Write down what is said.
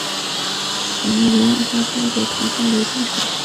董瑀让她嫁给了同乡刘进超。